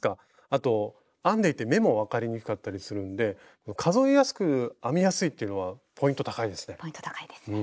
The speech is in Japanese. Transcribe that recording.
あと編んでいて目も分かりにくかったりするんで数えやすく編みやすいっていうのはポイント高いですね。